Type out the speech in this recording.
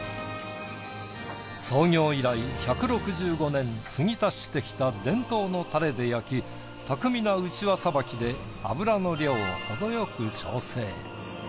創業以来１６５年継ぎ足してきた伝統のタレで焼き巧みなうちわさばきで脂の量をほどよく調整。